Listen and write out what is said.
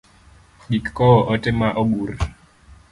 Gik kowo ote ma ogur.